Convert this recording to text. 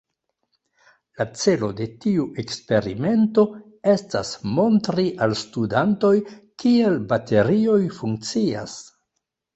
La celo de tiu eksperimento estas montri al studantoj kiel baterioj funkcias.